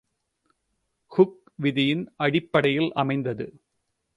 Hook விதியின் அடிப்படையில் அமைந்தது.